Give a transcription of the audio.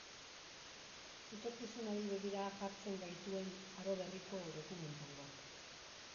Etorkizunari begira jartzen gaituen aro berriko dokumental bat.